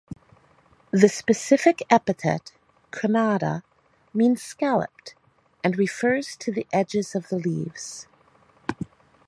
The specific epithet ("crenata") means "scalloped" and refers to the edges of the leaves.